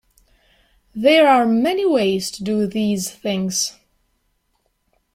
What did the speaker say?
There are many ways to do these things.